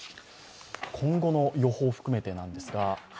今後の予報を含めてなんですが。